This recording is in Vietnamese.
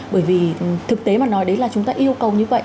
bởi vì thực tế mà nói đấy là chúng ta yêu cầu như vậy